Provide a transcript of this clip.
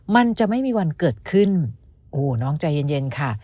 มันจะไม่มีวันเกิดขึ้นโอ้โหน้องใจเย็นค่ะ